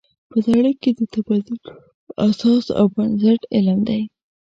په نړۍ کې د تمدنونو اساس او بنسټ علم دی.